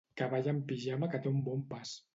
Cavall amb pijama que té un bon pas.